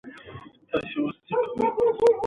ما له بازار نه تازه بوره راوړه.